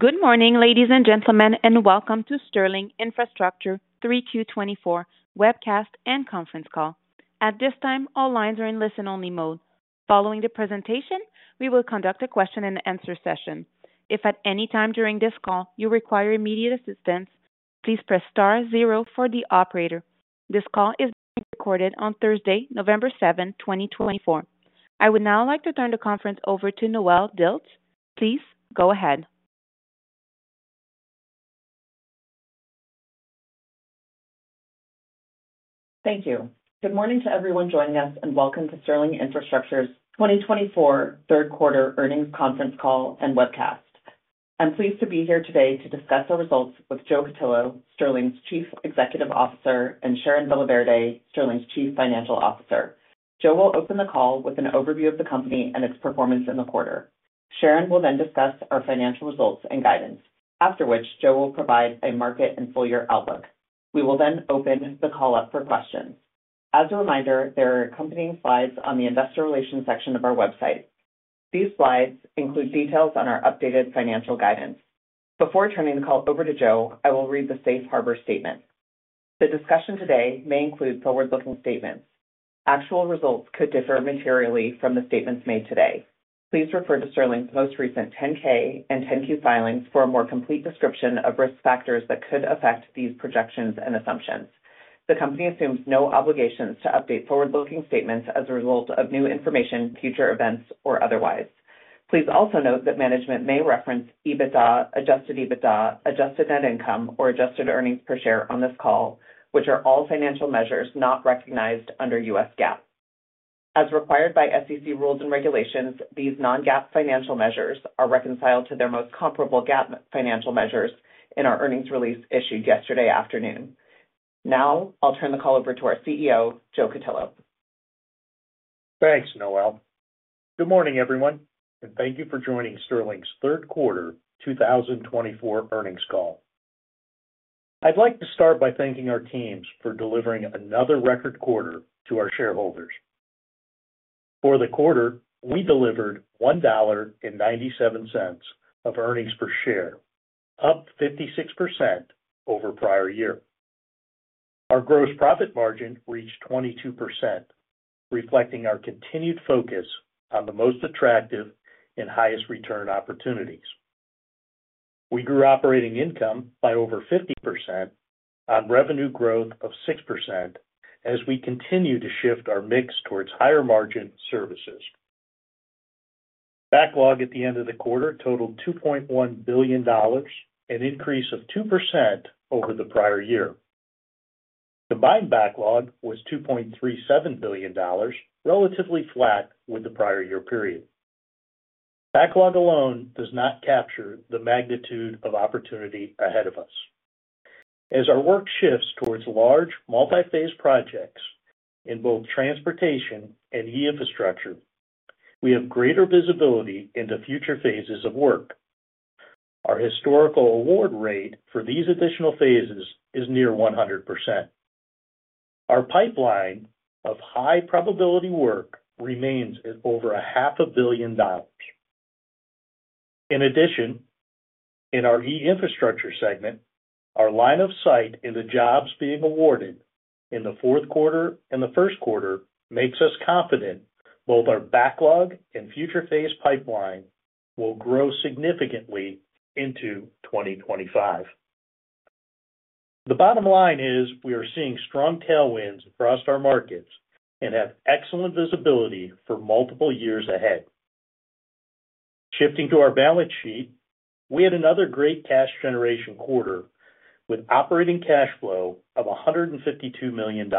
Good morning ladies and gentlemen and welcome to Sterling Infrastructure 3Q 2024 webcast and conference call. At this time, all lines are in listen only mode. Following the presentation, we will conduct a question and answer session. If at any time during this call you require immediate assistance, please press star zero for the operator. This call is recorded on Thursday, November 7th, 2024. I would now like to turn the conference over to Noelle Dilts. Please go ahead. Thank you. Good morning to everyone joining us and welcome to Sterling Infrastructure's 2024 third quarter earnings conference call and webcast. I'm pleased to be here today to discuss our results with Joe Cutillo, Sterling's Chief Executive Officer and Sharon Villaverde, Sterling's Chief Financial Officer. Joe will open the call with an overview of the company and its performance in the quarter. Sharon will then discuss our financial results and guidance after which Joe will provide a market and full year outlook. We will then open the call up for questions. As a reminder, there are accompanying slides on the Investor Relations section of our website. These slides include details on our updated financial guidance. Before turning the call over to Joe, I will read the Safe Harbor statement. The discussion today may include forward-looking statements. Actual results could differ materially from the statements made today. Please refer to Sterling's most recent 10-K and 10-Q filings for a more complete description of risk factors that could affect these projections and assumptions. The company assumes no obligations to update forward-looking statements as a result of new information, future events or otherwise. Please also note that management may reference EBITDA, adjusted EBITDA, Adjusted Net Income, or Adjusted Earnings per Share on this call, which are all financial measures not recognized under U.S. GAAP as required by SEC rules and regulations. These non-GAAP financial measures are reconciled to their most comparable GAAP financial measures in our earnings release issued yesterday afternoon. Now I'll turn the call over to our CEO Joe Cutillo. Thanks Noelle. Good morning everyone and thank you for joining Sterling's third quarter 2024 earnings call. I'd like to start by thanking our teams for delivering another record quarter to our shareholders. For the quarter, we delivered $1.97 of earnings per share up 56% over prior year. Our gross profit margin reached 22% reflecting our continued focus on the most attractive and highest return opportunities. We grew operating income by over 50% on revenue growth of 6% as we continue to shift our mix towards higher margin services. Backlog at the end of the quarter totaled $2.1 billion, an increase of 2% over the prior year. Combined backlog was $2.37 billion relatively flat with the prior year period. Backlog alone does not capture the magnitude of opportunity ahead of us. As our work shifts towards large multi-phase projects in both transportation and E-Infrastructure, we have greater visibility into future phases of work. Our historical award rate for these additional phases is near 100%. Our pipeline of high probability work remains at over $500 million. In addition, in our E-Infrastructure segment, our line of sight in the jobs being awarded in the fourth quarter and the first quarter makes us confident both our backlog and future phase pipeline will grow significantly into 2025. The bottom line is we are seeing strong tailwinds across our markets and have excellent visibility for multiple years ahead. Shifting to our balance sheet, we had another great cash generation quarter with operating cash flow of $152 million.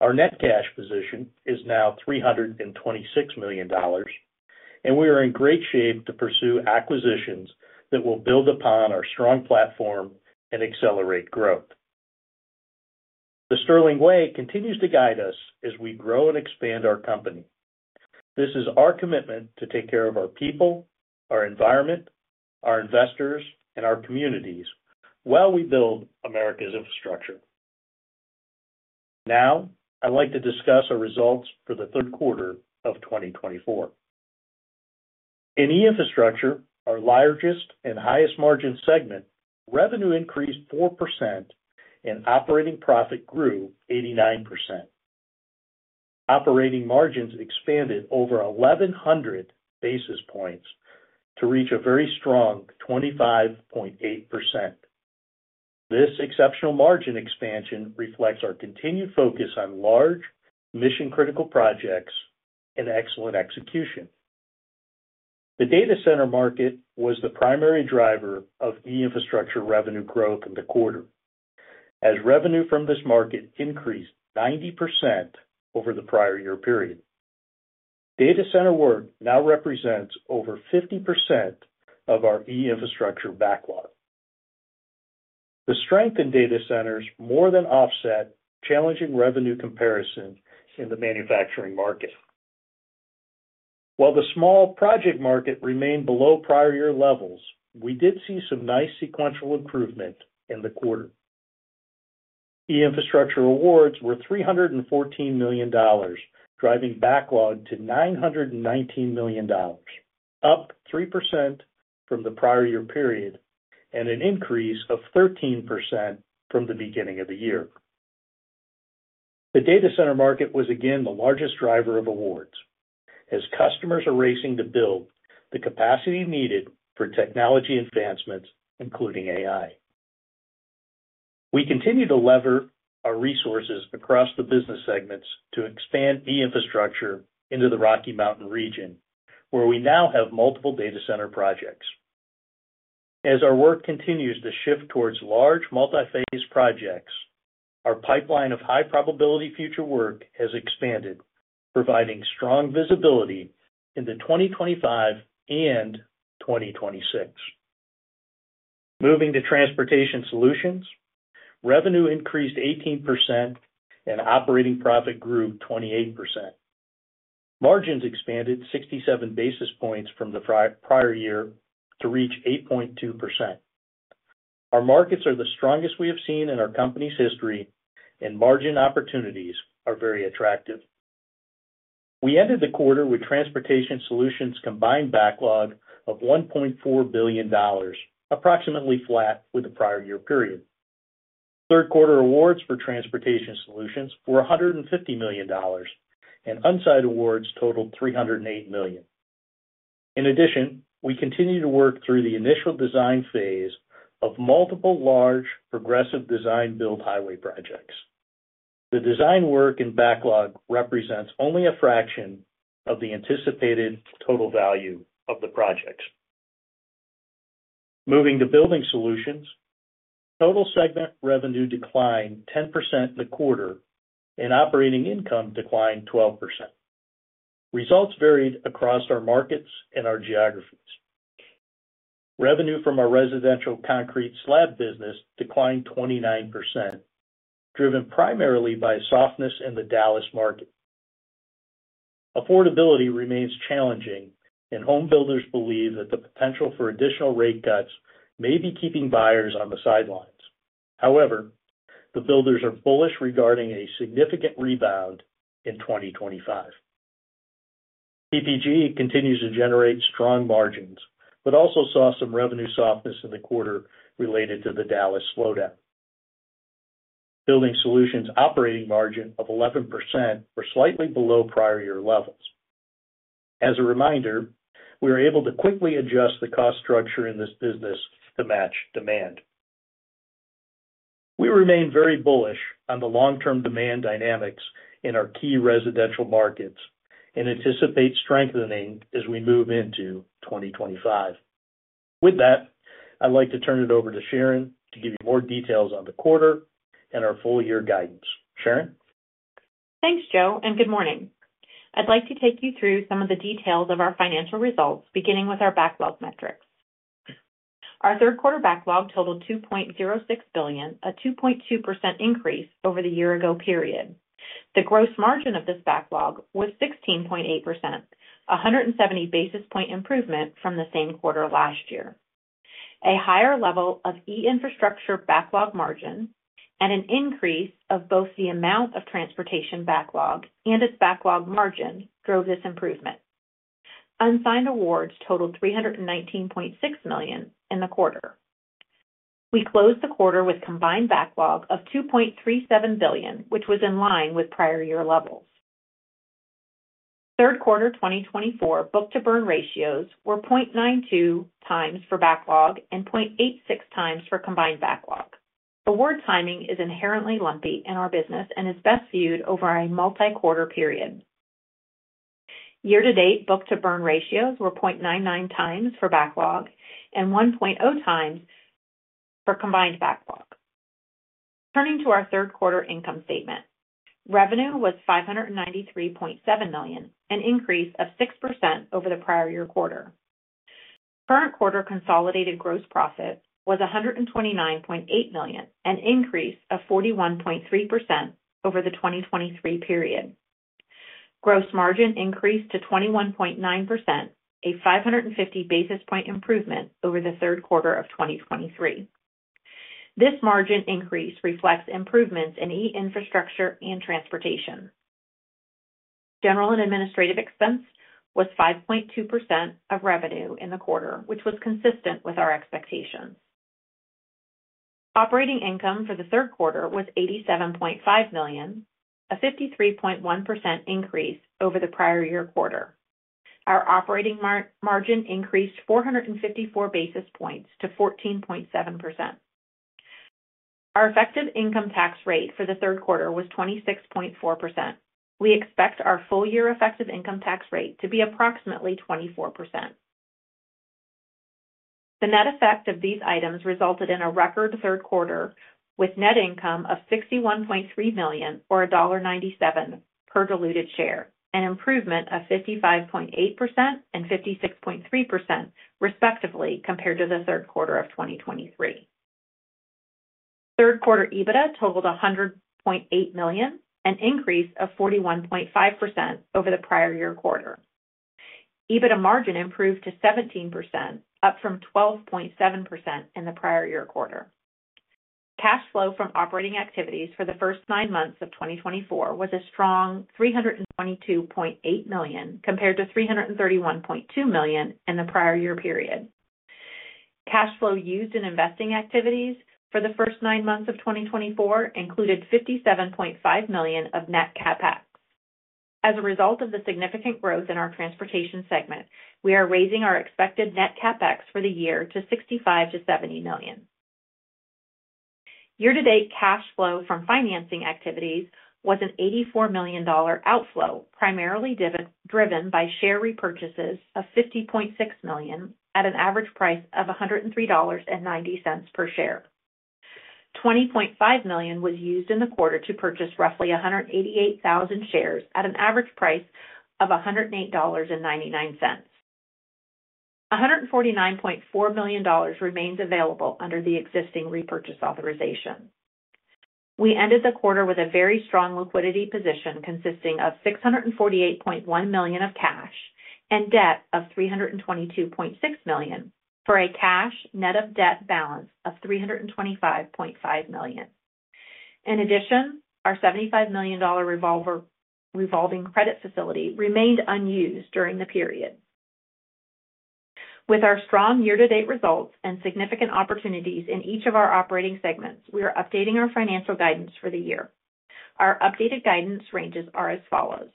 Our net cash position is now $326 million and we are in great shape to pursue acquisitions that will build upon our strong platform and accelerate growth. The Sterling Way continues to guide us as we grow and expand our company. This is our commitment to take care of our people, our environment, our investors and our communities while we build America's infrastructure. Now I'd like to discuss our results for the third quarter of 2024. In E-Infrastructure, our largest and highest margin segment revenue increased 4% and operating profit grew 89%. Operating margins expanded over 1100 basis points to reach a very strong 25.8%. This exceptional margin expansion reflects our continued focus on large mission critical projects and excellent execution. The data center market was the primary driver of E-Infrastructure revenue growth in the quarter as revenue from this market increased 90% over the prior year period. Data center work now represents over 50% of our E-Infrastructure backlog. The strength in data centers more than offset challenging revenue comparison in the manufacturing market. While the small project market remained below prior year levels, we did see some nice sequential improvement in the quarter. E-Infrastructure awards were $314 million driving backlog to $919 million, up 3% from the prior year period and an increase of 13% from the beginning of the year. The data center market was again the largest driver of awards as customers are racing to build the capacity needed for technology advancements including AI. We continue to lever our resources across the business segments to expand E-Infrastructure into the Rocky Mountains region where we now have multiple data center projects. As our work continues to shift towards large multi phase projects, our pipeline of high probability future work has expanded providing strong visibility into 2025 and 2026. Moving to Transportation Solutions, revenue increased 18% and operating profit grew 28%. Margins expanded 67 basis points from the prior year to reach 8.2%. Our markets are the strongest we have seen in our company's history and margin opportunities are very attractive. We ended the quarter with Transportation Solutions combined backlog of $1.4 billion, approximately flat with the prior year period. Third quarter awards for Transportation Solutions were $150 million and unsigned awards totaled $308 million. In addition, we continue to work through the initial design phase of multiple large progressive design-build highway projects. The design work and backlog represents only a fraction of the anticipated total value of the projects moving to Building Solutions. Total segment revenue declined 10% in the quarter and operating income declined 12%. Results varied across our markets and our geographies. Revenue from our residential concrete slab business declined 29%, driven primarily by softness in the Dallas market. Affordability remains challenging and homebuilders believe that the potential for additional rate cuts may be keeping buyers on the sidelines. However, the builders are bullish regarding a significant rebound in 2025. PPG continues to generate strong margins but also saw some revenue softness in the quarter related to the Dallas slowdown. Building Solutions operating margin of 11% were slightly below prior year levels. As a reminder, we are able to quickly adjust the cost structure in this business to match demand. We remain very bullish on the long term demand dynamics in our key residential markets and anticipate strengthening as we move into 2025. With that, I'd like to turn it over to Sharon to give you more details on the quarter and our full year guidance. Sharon, thanks, Joe, and good morning. I'd like to take you through some of the details of our financial results, beginning with our backlog metrics. Our third quarter backlog totaled $2.06 billion, a 2.2% increase over the year ago period. The gross margin of this backlog was 16.8%, 170 basis point improvement from the same quarter last year. A higher level of E-Infrastructure backlog margin and an increase of both the amount of transportation backlog and its backlog margin drove this improvement. Unsigned awards totaled $319.6 million in the quarter. We closed the quarter with combined backlog of $2.37 billion, which was in line with prior year levels. Third quarter 2024 book-to-burn ratios were 0.92x for backlog and 0.86x for combined backlog. Award timing is inherently lumpy in our business and is best viewed over a multi-quarter period. Year to date book-to-burn ratios were 0.99x for backlog and 1.0x for combined backlog. Turning to our third quarter income statement, revenue was $593.7 million, an increase of 6% over the prior year quarter. Current quarter consolidated gross profit was $129.8 million, an increase of 41.3% over the 2023 period. Gross margin increased to 21.9%, a 550 basis point improvement over the third quarter of 2023. This margin increase reflects improvements in E-Infrastructure and transportation. General and Administrative expense was 5.2% of revenue in the quarter, which was consistent with our expectations. Operating income for the third quarter was $87.5 million, a 53.1% increase over the prior year quarter. Our operating margin increased 454 basis points to 14.7%. Our effective income tax rate for the third quarter was 26.4%. We expect our full year effective income tax rate to be approximately 24%. The net effect of these items resulted in a record third quarter with net income of $61.3 million or $1.97 per diluted share and improvement of 55.8% and 56.3% respectively, compared to the third quarter of 2023. Third quarter EBITDA totaled $100.8 million, an increase of 41.5% over the prior year quarter. EBITDA margin improved to 17% up from 12.7% in the prior year quarter. Cash flow from operating activities for the first nine months of 2024 was a strong $322.8 million compared to $331.2 million in the prior year period. Cash flow used in investing activities for the first nine months of 2024 included $57.5 million of net CapEx. As a result of the significant growth in our transportation segment, we are raising our expected net CapEx for the year to $65-$70 million. Year-to-date cash flow from financing activities was an $84 million outflow primarily driven by share repurchases of $50.6 million at an average price of $103.90 per share. $20.5 million was used in the quarter to purchase roughly 188,000 shares at an average price of $108.99. $149.4 million remains available under the existing repurchase authorization. We ended the quarter with a very strong liquidity position consisting of $648.1 million of cash and debt $322.6 million for a cash net of debt balance of $325.5 million. In addition, our $75 million revolving credit facility remained unused during the period. With our strong year to date results and significant opportunities in each of our operating segments, we are updating our financial guidance for the year. Our updated guidance ranges are as follows.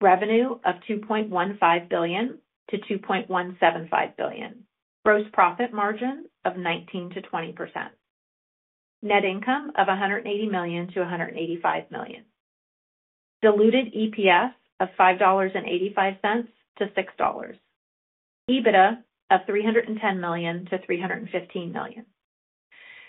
Revenue of $2.15 billion-$2.175 billion. Gross profit margin of 19%-20%. Net income of $180 million-$185 million. Diluted EPS of $5.85-$6. EBITDA of $310 million-$315 million.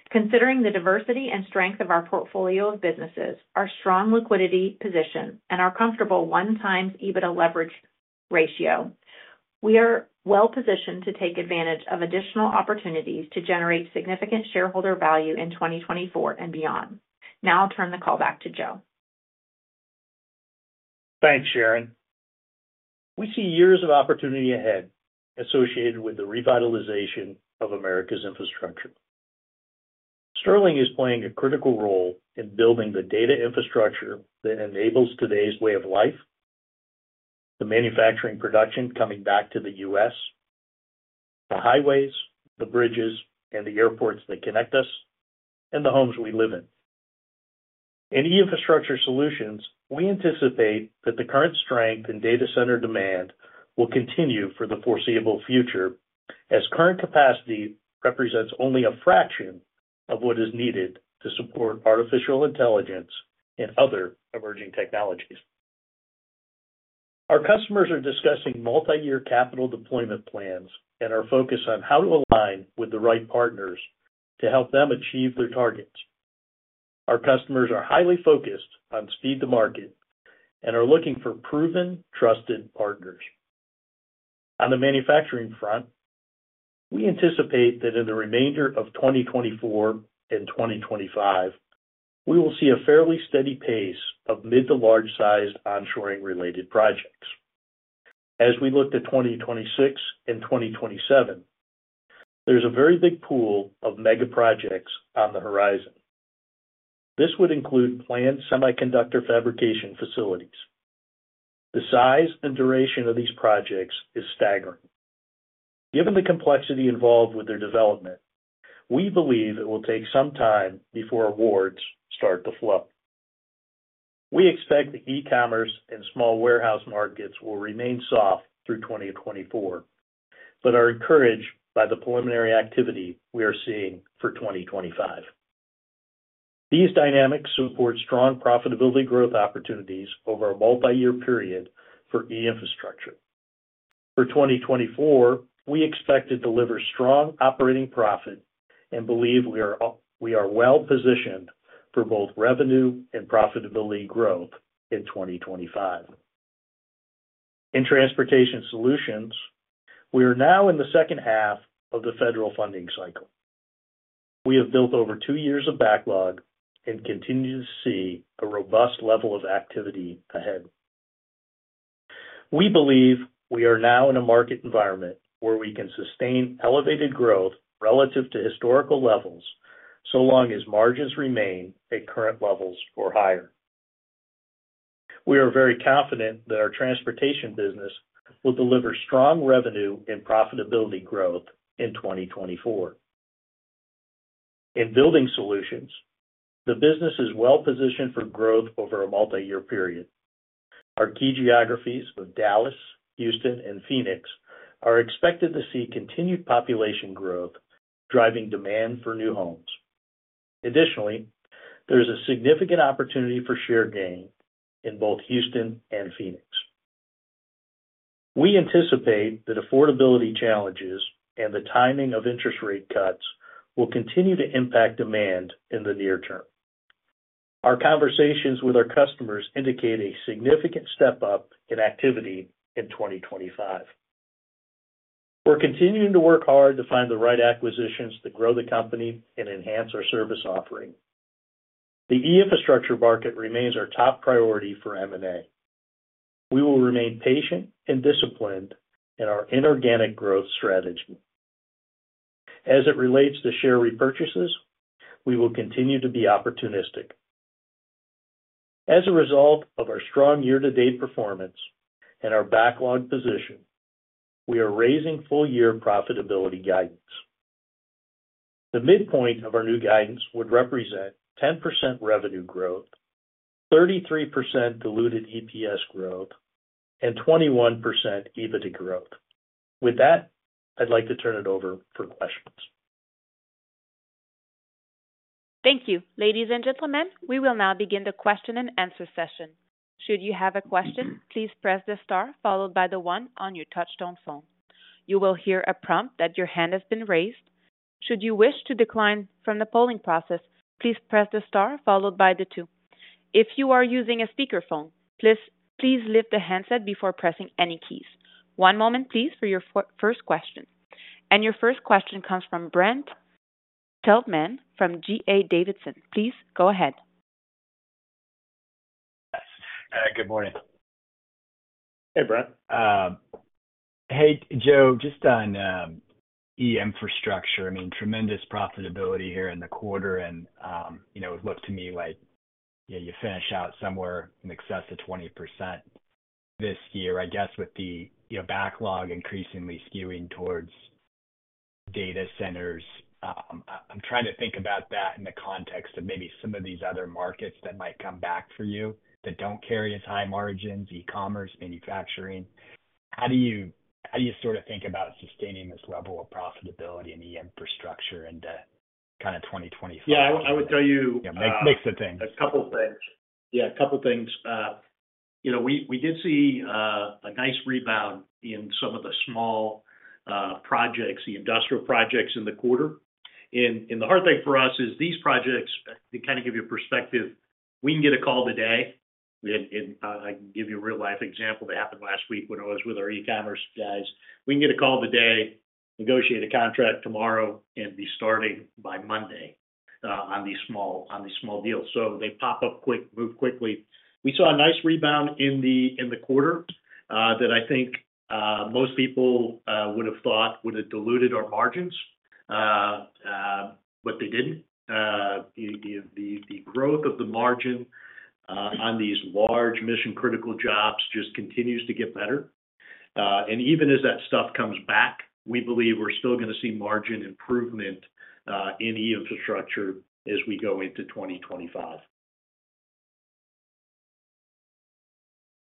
Considering the diversity and strength of our portfolio of businesses, our strong liquidity position and our comfortable 1x EBITDA leverage ratio, we are well positioned to take advantage of additional opportunities to generate significant shareholder value in 2024 and beyond. Now I'll turn the call back to Joe. Thanks Sharon. We see years of opportunity ahead associated with the revitalization of America's infrastructure. Sterling is playing a critical role in building the data infrastructure that enables today's way of life. The manufacturing production coming back to the U.S., the highways, the bridges and the airports that connect us and the homes we live in. In E-Infrastructure Solutions, we anticipate that the current strength in data center demand will continue for the foreseeable future as current capacity represents only a fraction of what is needed to support artificial intelligence and other emerging technologies. Our customers are discussing multi-year capital deployment plans and are focused on how to align with the right partners to help them achieve their targets. Our customers are highly focused on speed to market and are looking for proven trusted partners on the manufacturing front. We anticipate that in the remainder of 2024 and 2025 we will see a fairly steady pace of mid- to large-sized onshoring related projects. As we look to 2026 and 2027, there's a very big pool of megaprojects on the horizon. This would include planned semiconductor fabrication facilities. The size and duration of these projects is staggering. Given the complexity involved with their development, we believe it will take some time before awards start to flow. We expect the E-commerce and small warehouse markets will remain soft through 2024, but are encouraged by the preliminary activity we are seeing for 2025. These dynamics support strong profitability growth opportunities over a multi-year period for E-Infrastructure. For 2024 we expect to deliver strong operating profit and believe we are well positioned for both revenue and profitability growth in 2025 in Transportation Solutions. We are now in the second half of the federal funding cycle. We have built over two years of backlog and continue to see a robust level of activity ahead. We believe we are now in a market environment where we can sustain elevated growth relative to historical levels so long as margins remain at current levels or higher. We are very confident that our transportation business will deliver strong revenue and profitability growth in 2024. In Building Solutions, the business is well positioned for growth over a multi year period. Our key geographies of Dallas, Houston and Phoenix are expected to see continued population growth driving demand for new homes. Additionally, there is a significant opportunity for share gain in both Houston and Phoenix. We anticipate that affordability challenges and the timing of interest rate cuts will continue to impact demand in the near term. Our conversations with our customers indicate a significant step up in activity in 2025. We're continuing to work hard to find the right acquisitions to grow the company and enhance our service offering. The E-Infrastructure market remains our top priority for M&A. We will remain patient and disciplined in our inorganic growth strategy as it relates to share repurchases. We will continue to be opportunistic. As a result of our strong year-to-date performance and our backlog position, we are raising full year profitability guidance. The midpoint of our new guidance would represent 10% revenue growth, 33% diluted EPS growth and 21% EBITDA growth. With that, I'd like to turn it over for questions. Thank you. Ladies and gentlemen, we will now begin the question and answer session. Should you have a question, please press the star followed by the one. On your touch-tone phone you will hear a prompt that your hand has been raised. Should you wish to decline from the polling process, please press the star followed by the two. If you are using a speakerphone, please lift the handset before pressing any keys. One moment, please, for your first question. And your first question comes from Brent Thielman from D.A. Davidson, please go ahead. Good morning. Hey Brent. Hey Joe. Just on E-Infrastructure. I mean tremendous profitability here in the quarter and it looked to me like you finish out somewhere in excess of 20% this year. I guess with the backlog increasingly skewing towards data centers, I'm trying to think about that in the context of maybe some of these other markets that might come back for you that don't carry as high margins. E-commerce. manufacturing. How do you sort of think about sustaining this level of profitability in the E-Infrastructure and kind of 2025? Yeah, I would tell you a mix of things. A couple things. Yeah, a couple things. You know, we did see a nice rebound in some of the small projects, the industrial projects in the quarter. And the hard thing for us is these projects to kind of give you a perspective. We can get a call today and I can give you a real life example that happened last week when I was with our E-commerce guys. We can get a call today, negotiate a contract tomorrow and be starting by Monday on these small deals. So they pop up quick, move quickly. We saw a nice rebound in the quarter that I think most people would have thought would have diluted our margins, but they didn't. The growth of the margin on these large mission critical jobs just continues to get better. And even as that stuff comes back, we believe we're still going to see margin improvement in E-Infrastructure as we go into 2025.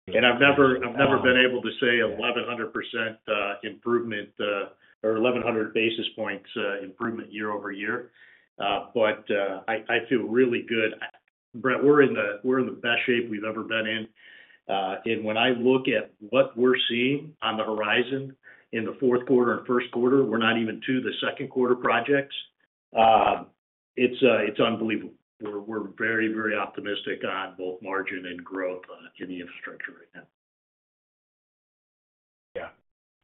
I've never been able. To say 1100% improvement or 1100 basis points improvement year-over-year. But I feel really good. Brent, we're in the best shape we've ever been in. And when I look at what we're seeing on the horizon in the fourth quarter and first quarter, we're not even to the second quarter projects. It's unbelievable. We're very, very optimistic on both margin and growth in the infrastructure right now. Yeah.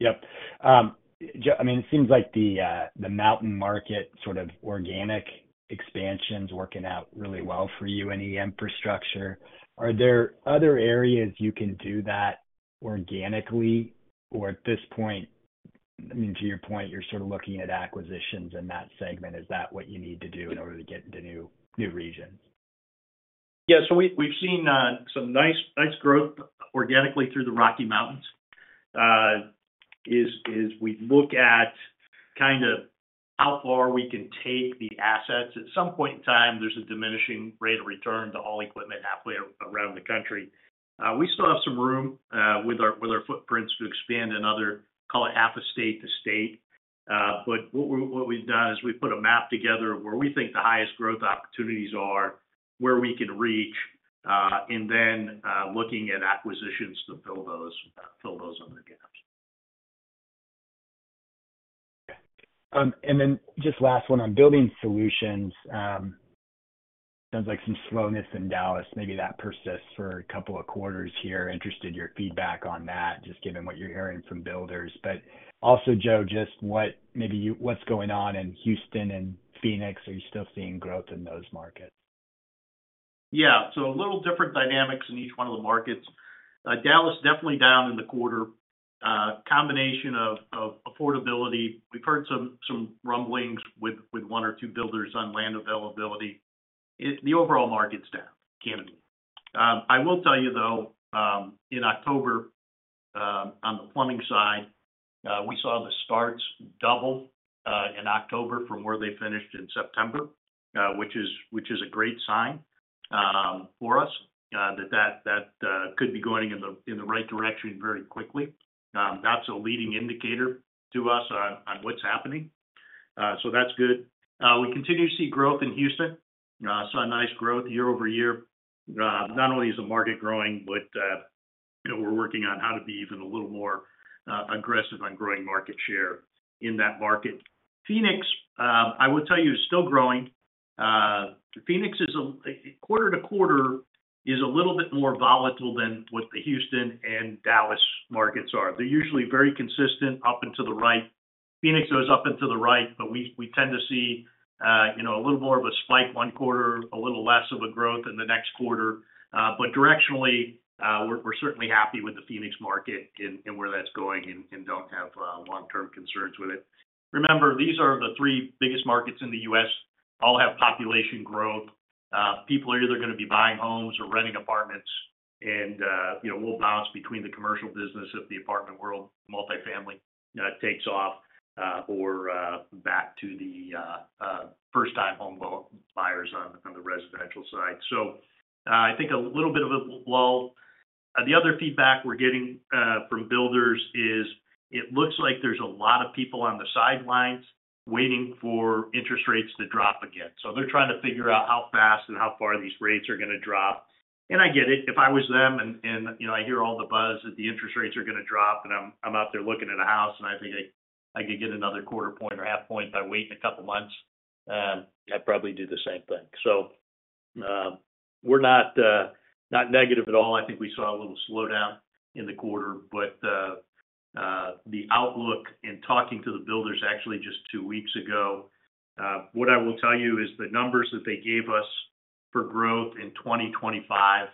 Yep. I mean, it seems like the Rocky Mountain market sort of organic expansion is working out really well for you and the infrastructure. Are there other areas you can do that organically or at this point, I mean, to your point, you're sort of looking at acquisitions in that segment? Is that what you need to do in order to get into new, new regions? Yeah, so we've seen some nice. Nice growth organically through the Rocky Mountains. As we look at kind of how far we can take the assets at some point in time there's a diminishing rate of return to hauling equipment halfway around the country. We still have some room with our footprints to expand another, call it half a state to state. But what we've done is we put a map together where we think the highest growth opportunities are, where we can reach and then looking at acquisitions to fill those other gaps. And then just the last one on Building Solutions. Sounds like some slowness in Dallas maybe that persists for a couple of quarters here. Interested your feedback on that just given what you're hearing from builders. But also Joe, just what maybe you what's going on in Houston and Phoenix? Are you still seeing growth in those markets. Yeah, so a little different dynamics in each one of the markets. Dallas definitely down in the quarter. A combination of affordability. We've heard some rumblings with one or two builders on land availability. The overall market's down. Candidly. I will tell you though, in October on the plumbing side, we saw the starts double in October from where they finished in September, which is a great sign for us that that could be going in the right direction very quickly. That's a leading indicator to us on what's happening, so that's good. We continue to see growth in Houston, saw nice growth year-over-year. Not only is the market growing, but we're working on how to be even a little more aggressive on growing market share in that market. Phoenix, I will tell you, is still growing. Phoenix is quarter to quarter a little bit more volatile than what the Houston and Dallas markets are. They're usually very consistent up and to the right. Phoenix goes up and to the right. But we tend to see, you know, a little more of a spike one quarter, a little less of a growth in the next quarter. But directionally we're certainly happy with the Phoenix market and where that's going and don't have long-term concerns with it. Remember, these are the three biggest markets in the U.S. all have population growth. People are either going to be buying homes or renting apartments, and you know, we'll balance between the commercial business of the apartment world, multifamily takes off or back to the first-time home buyers on the residential side. So I think a little bit of a lull. The other feedback we're getting from builders is it looks like there's a lot of people on the sidelines waiting for interest rates to drop again, so they're trying to figure out how fast and how far these rates are going to drop. I get it if I was. Them and I hear all the buzz that the interest rates are going to drop, and I'm out there looking at a house and I think I could get another quarter point or half point by waiting a couple months. I'd probably do the same thing. So we're not negative at all. I think we saw a little slowdown in the quarter, but the outlook, in talking to the builders actually just two weeks ago, what I will tell you is the numbers that they gave us for growth in 2025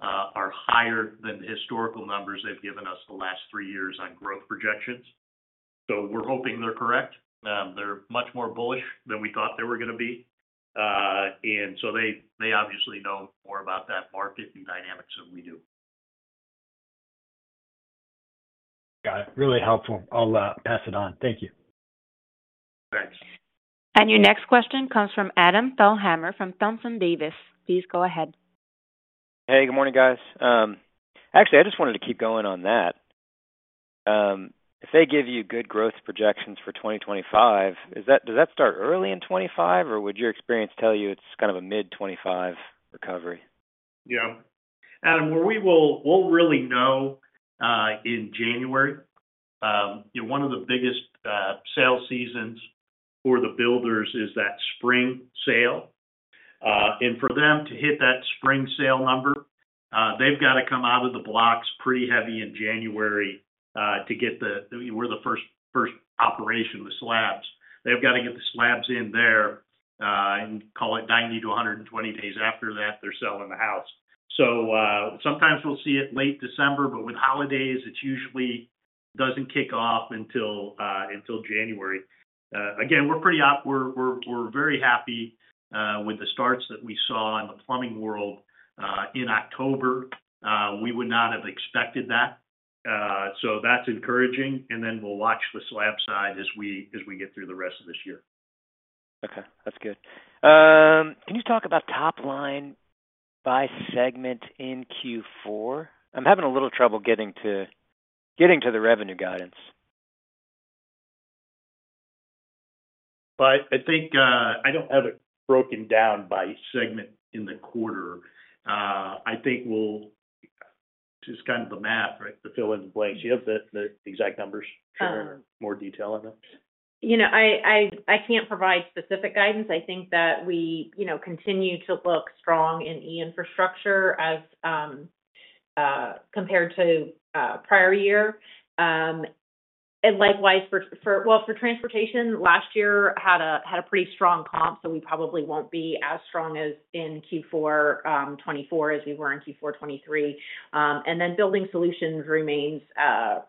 are higher than the historical numbers they've given us the last three years on growth projections. We're hoping they're correct. They're much more bullish than we thought they were going to be. And so they, they obviously know more about that market and dynamics than we do. Got it. Really helpful. I'll pass it on. Thank you. Thanks. Your next question comes from Adam Thalhimer from Thompson Davis. Please go ahead. Hey, good morning guys. Actually, I just wanted to keep going on that. If they give you good growth projections for 2025, is that, does that start early in 2025 or would your experience tell you it's kind of a mid 2025 recovery? Yeah, Adam, we'll really know in January. One of the biggest sales seasons for the builders is that spring sale. For them to hit that spring sale number, they've got to come out of the blocks pretty heavy in January to get the slabs. We're the first operation with slabs. They've got to get the slabs in there and call it 90-120 days. After that they're selling the house. So sometimes we'll see it late December but with holidays it usually doesn't kick off until January. Again, we're very happy with the starts that we saw in the. Plumbing World in October. We would not have expected that, so that's encouraging, and then we'll watch the slab side as we get through the rest of this year. Okay, that's good. Can you talk about top line by segment in Q4? I'm having a little trouble getting to the revenue guidance. But I think I don't have it broken down. By segment in the quarter. I think we'll just kind of do the math. Right. To fill in the blanks. You have the exact numbers. More detail on that. You know, I can't provide specific guidance. I think that we, you know, continue to look strong in E-Infrastructure as compared to prior year and likewise. Well, for transportation last year had a pretty strong comp. So we probably won't be as strong as in Q4 2024 as we were in Q4 2023. And then Building Solutions remains,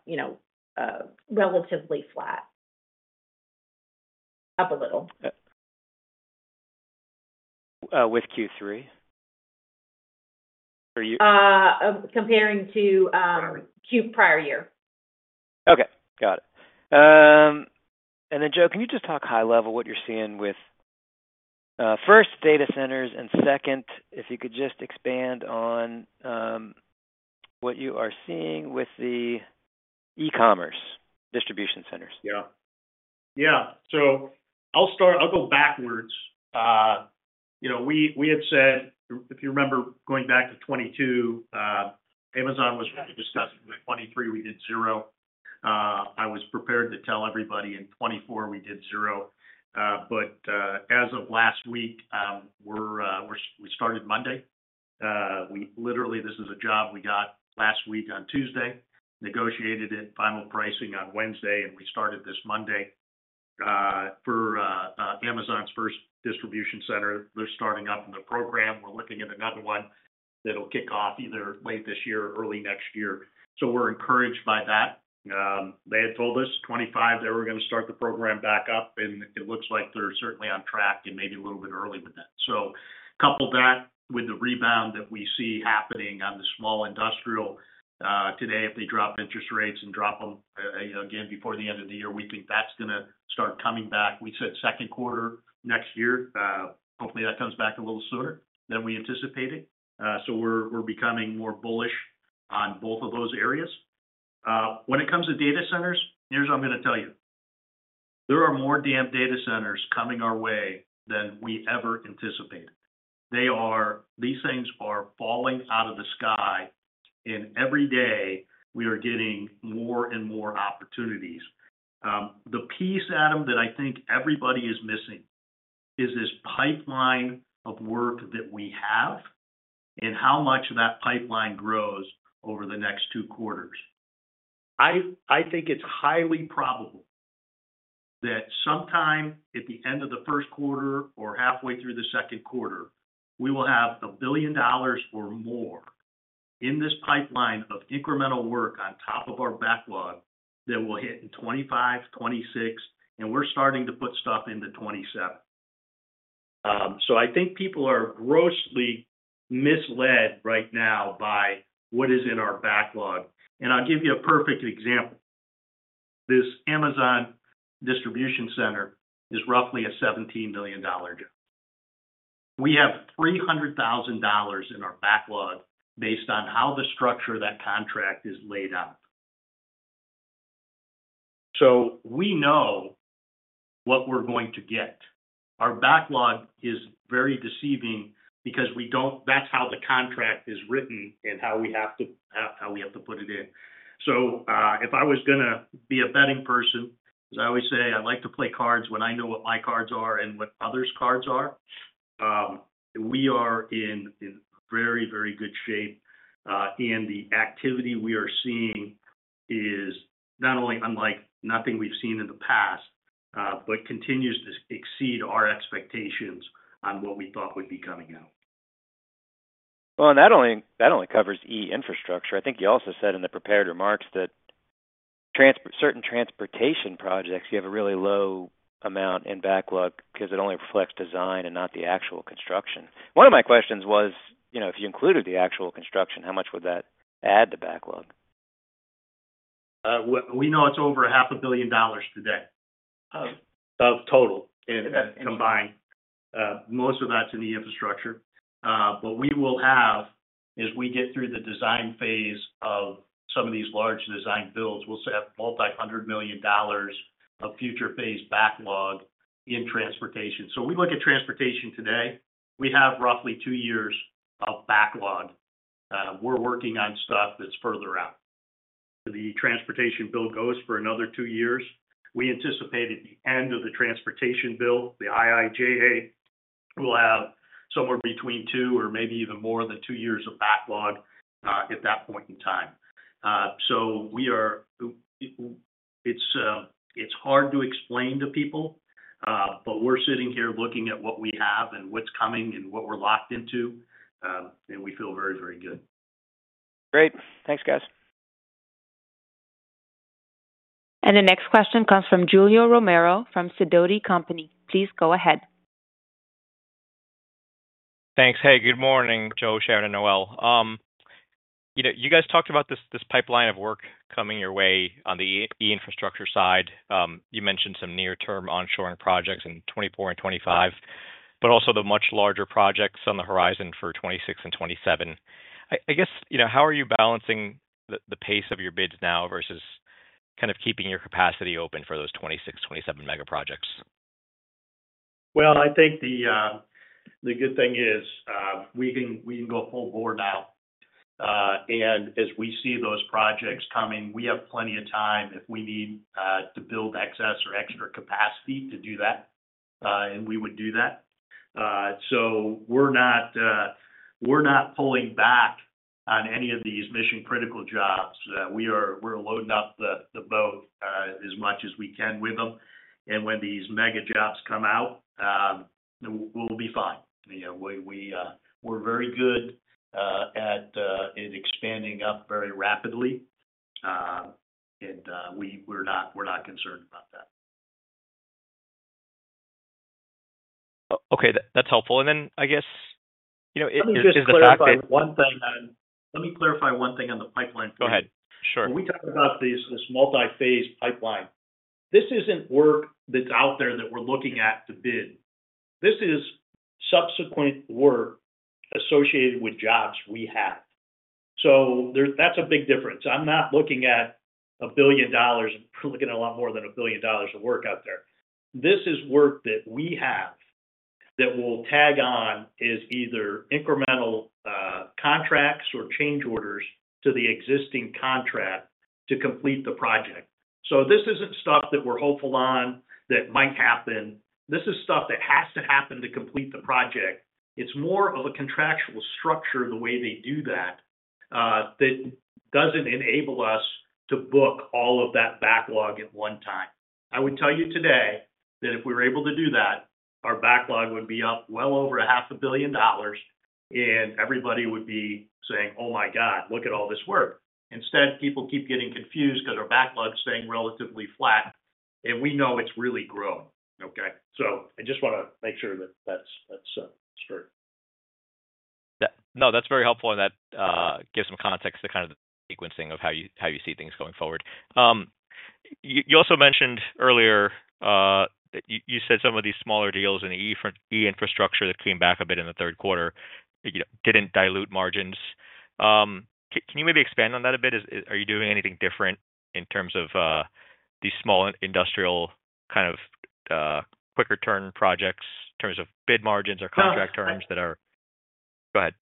you know, relatively flat. Up a little. With Q3. Comparing to Q prior year. Okay, got it, and then Joe, can you just talk high-level what you're seeing with first data centers and second, if you could just expand on what you are seeing with the e-commerce distribution centers. Yeah, yeah. So I'll start, I'll go backwards. You know we had said if you remember going back to 2022, Amazon was really discussing 2023. We did zero. I was prepared to tell everybody in 2024 we did zero. But as of last week, we're, we started Monday. We literally, this is a job we got last week on Tuesday, negotiated it, final pricing on Wednesday, and we started this Monday for Amazon's first distribution center. They're starting up in the program. We're looking at another one that'll kick off either late this year, early next year. So we're encouraged by that. They had told us 2025 they were going to start the program back up and it looks like they're certainly on track and maybe a little bit early with that. So couple that with the rebound that we see happening on the small industrial today. If they drop interest rates and drop them again before the end of the year, we think that's going to start coming back. We said second quarter next year. Hopefully that comes back a little sooner than we anticipated. So we're becoming more bullish on both of those areas. When it comes to data centers, here's what I'm going to tell you. There are more damn data centers coming our way than we ever anticipated. These things are falling out of the sky and every day we are getting more and more opportunities. The piece, Adam, that I think everybody is missing is this pipeline of work that we have and how much of that pipeline grows over the next two quarters. I think it's highly probable that sometime at the end of the first quarter or halfway through the second quarter, we will have a billion dollars or more in this pipeline of incremental work on top of our backlog that will hit in 2025, 2026 and we're starting to put stuff into 2027, so I think people are grossly misled right now by what is in our backlog, and I'll give you a perfect example. This Amazon distribution center is roughly a $17 million job. We have $300,000 in our backlog based on how the structure of that contract is laid out. We know what. We're going to get. Our backlog is very deceiving because we don't. That's how the contract is written and how we have to, how we have to put it in. So if I was going to be a betting person, as I always say, I like to play cards when I know what my cards are and what others cards are. We are in very, very good shape and the activity we are seeing is. Not only unlike nothing we've seen in. The past, but continues to exceed our expectations on what we thought would be coming out well. That only covers E-Infrastructure. I think you also said in the prepared remarks that transport, certain transportation projects, you have a really low amount in backlog because it only reflects design and not the actual construction. One of my questions was, you know, if you included the actual construction, how much would that add to backlog? We know it's over $500 million today of total combined. Most of that's in the infrastructure. But we will have, as we get through the design phase of some of these large design builds, we'll set multi $100 million of future phase backlog in transportation. So we look at transportation today, we have roughly two years of backlog. We're working on stuff that's further out. The transportation bill goes for another two years. We anticipate at the end of the transportation bill we'll have somewhere between two or maybe even more than two years of backlog at that point in time. So we are, it's hard to explain to people, but we're sitting here looking at what we have and what's coming and what we're locked into and we feel very, very good. Great, thanks guys. The next question comes from Julio Romero from Sidoti & Company. Please go ahead. Thanks. Hey, good morning Joe, Sharon and Noelle. You know, you guys talked about this, this pipeline of work coming your way on the E-Infrastructure side. You mentioned some near term onshoring projects in 2024 and 2025, but also the much larger projects on the horizon for 2026 and 2027. I guess, you know, how are you balancing the pace of your bids now versus kind of keeping your capacity open for those 2026, 2027 megaprojects? I think the good thing is we can go full bore now and as we see those projects coming, we have plenty of time if we need to build excess or extra capacity to do that. And we would do that. So we're not pulling back on any of these mission critical jobs. We are loading up the boat as much as we can with them and when these mega jobs come out, we'll be fine. We're very good at it, expanding up very rapidly and we're not concerned about that. Okay, that's helpful. And then I guess, you know. Let. me clarify one thing on the pipeline. Go ahead. Sure. When we talk about this multi phase pipeline, this isn't work that's out there that we're looking at to bid. This is subsequent work associated with jobs we have. So that's a big difference. I'm not looking at $1 billion, looking at a lot more than $1 billion of work out there. This is work that we have that we'll tag on is either incremental contracts or change orders to the existing contract to complete the project. So this isn't stuff that we're hopeful on that might happen. This is stuff that has to happen to complete the project. It's more of a contractual structure. The way they do that. That doesn't enable us to book all of that backlog at one time. I would tell you today that if we were able to do that, our backlog would be up well over $500 million and everybody would be saying, oh my God, look at all this work. Instead, people keep getting confused because our backlog staying relatively flat and we know it's really grown. Okay. So I just want to make sure that that's. No, that's very helpful and that gives some context to kind of the sequencing of how you see things going forward. You also mentioned earlier that you said some of these smaller deals in E-Infrastructure that came back a bit in the third quarter didn't dilute margins. Can you maybe expand on that a bit? Are you doing anything different in terms of these small industrial kind of quicker turn projects in terms of bid margins or contract terms that are? Go ahead.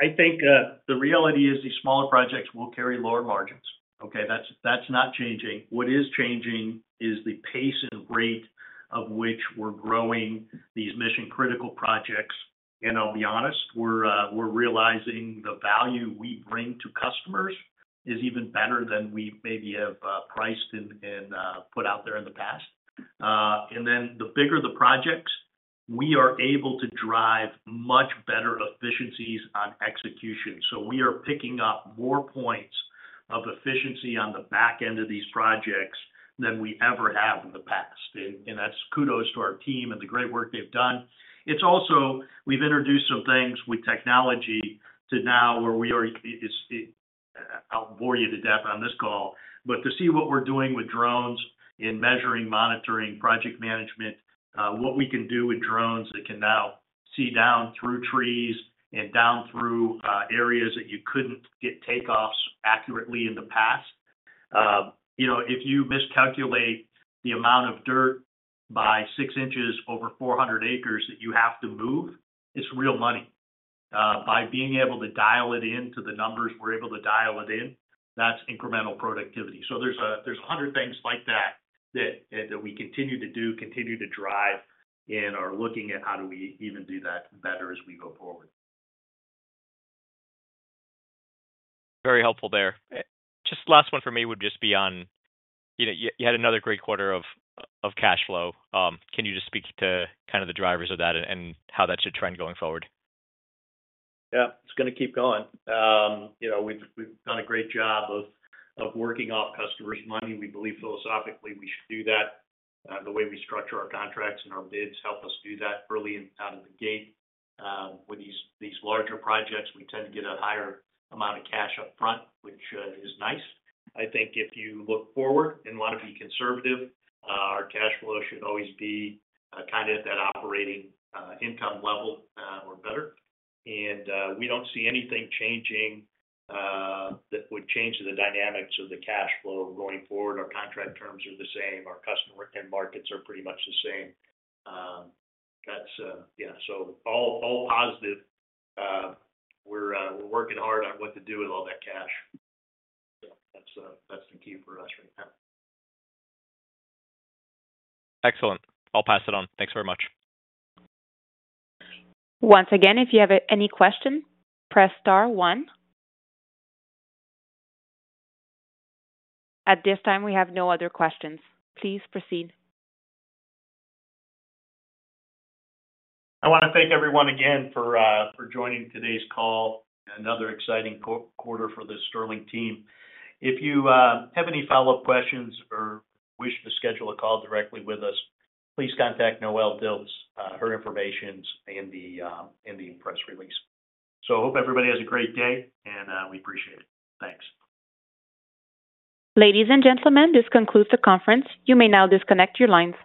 I think the reality is these smaller projects will carry lower margins. Okay, that's, that's not changing. What is changing is the pace and rate of which we're growing these mission critical projects. And I'll be honest, we're, we're realizing the value we bring to customers is even better than we maybe have priced and put out there in the past. And then the bigger the projects, we are able to drive much better efficiencies on execution. So we are picking up more points of efficiency on the back end of these projects than we ever have in the past. And that's kudos to our team and the great work they've done. It's also, we've introduced some things with technology to now where we are boring you to death on this call. But to see what we're doing with drones in measuring, monitoring, project management, what we can do with drones that can now see down through trees and down through areas that you couldn't get takeoffs accurately in the past. You know, if you miscalculate the amount of dirt by six inches over 400 acres that you have to move, it's real money. By being able to dial it in to the numbers, we're able to dial it in. That's incremental productivity. So there's 100 things like that that we continue to do, continue to drive and are looking at how do we even do that better as we go forward. Very helpful there. Just last one for me would just be on. You know, you had another great quarter of cash flow. Can you just speak to kind of the drivers of that and how that should trend going forward? Yeah, it's going to keep going. You know, we've done a great job of working off customers' money. We believe philosophically we should do that. The way we structure our contracts and our bids help us do that early out of the gate. With these larger projects we tend to get a higher amount of cash up front, which is nice. I think if you look forward and. Want to be conservative, our cash flow should always be kind of at that operating income level or better. And we don't see anything changing that would change the dynamics of the cash flow going forward. Our contract terms are the same. Our customer end markets are pretty much the same. That's. Yeah. So all positive, we're working hard on what to do with all that cash. That's the key for us right now. Excellent. I'll pass it on. Thanks very much. Once again. If you have any question, press star one at this time. We have no other questions, please proceed. I want to thank everyone again for joining today's call. Another exciting quarter for the Sterling team. If you have any follow up questions or wish to schedule a call directly with us, please contact Noelle Dilts. Her information in the press release. So I hope everybody has a great day and we appreciate it. Thanks. Ladies and gentlemen, this concludes the conference. You may now disconnect your lines.